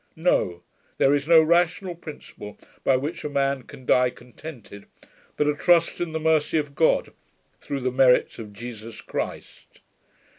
No; there is no rational principle by which a man can die contented, but a trust in the mercy of God, through the merits of Jesus Christ.'